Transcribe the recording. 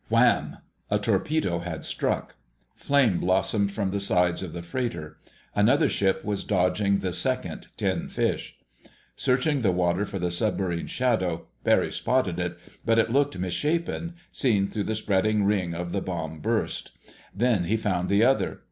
WHAMM! A torpedo had struck. Flame blossomed from the sides of the freighter. Another ship was dodging the second "tin fish." Searching the water for the submarines' shadows, Barry spotted one, but it looked misshapen, seen through the spreading ring of the bomb burst. Then he found the other.